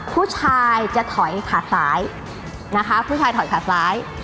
ผู้ชายจะถอยขาดซ้ายนะคะผู้ชายถอยขาซ้าย